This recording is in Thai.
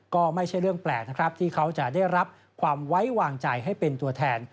ก็ไม่ใช่เรื่องแปลกนะครับที่เขาจะได้รับความไว้วางใจให้เป็นตัวแทน